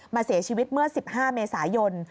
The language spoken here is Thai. เสียชีวิตเมื่อ๑๕เมษายน